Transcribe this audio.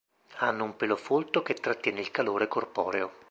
Hanno un pelo folto che trattiene il calore corporeo.